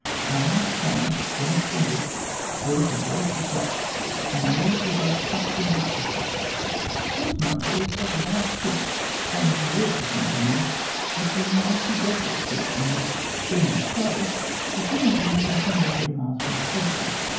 Our last charg<% when expended, brought us a brace of ducks, and on these we both supped and breakfasted. Towards nightfall we struck a large creek flowing towards the Condamine, which we knew must be Dogwood Creek, and that being so, we could not be more than twenty or thirty miles from a station.